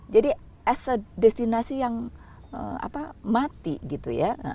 jadi as a destinasi yang mati gitu ya